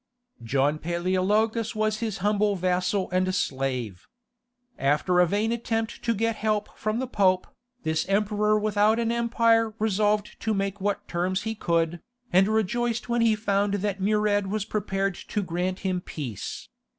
John Paleologus was his humble vassal and slave. After a vain attempt to get help from the Pope, this emperor without an empire resolved to make what terms he could, and rejoiced when he found that Murad was prepared to grant him peace.